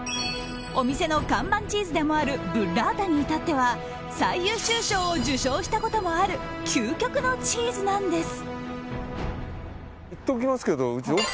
お店の看板チーズでもあるブッラータに至っては最優秀賞を受賞したこともある究極のチーズなんです。